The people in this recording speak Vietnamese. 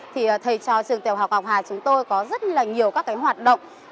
thì thầy trò trường tiểu học ngọc hà chúng tôi có rất là nhiều các cái hoạt động